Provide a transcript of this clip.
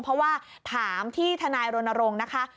เพราะว่าถามที่ทนายรณรงค์นะคะ